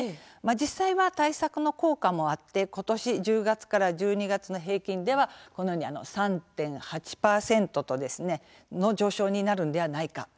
実際は対策の効果もあって今年１０月から１２月の平均ではこのように３．８％の上昇になるんではないか。